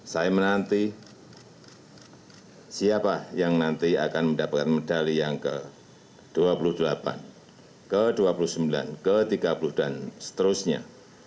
saya menanti siapa yang nanti akan mendapatkan medali yang ke dua puluh delapan ke dua puluh sembilan ke tiga puluh dan seterusnya